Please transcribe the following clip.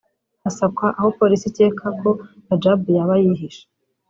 hasakwa aho Polisi ikeka ko Radjabu yaba yihishe